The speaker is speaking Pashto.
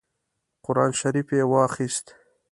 قران شریف یې واخیست.